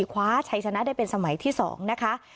คว้าชัยชนะได้เป็นสมัยที่๒นะคะ